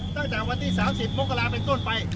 ตั้งจากวันที่๓๐มกราศกลายเป็นต้นไป